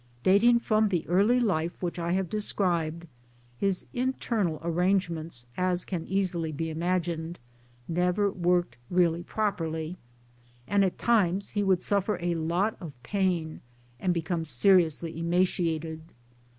Dating from the early life which I have described, his internal arrangements, as can easily be imagined, never worked really properly ; and at times he would suffer a lot of pain, and become seriously emaciated.